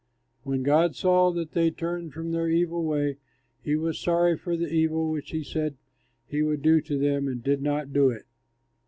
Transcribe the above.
When God saw that they turned from their evil way, he was sorry for the evil which he said he would do to them, and did not do it.